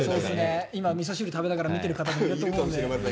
今みそ汁食べながら見てる方もいると思うんで。